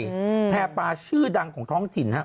ตแผ่ปลาชื่อดังของท้องถิ่น